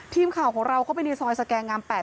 ทีมข่าวของเราก็ไปในซอยสแกงอำแปด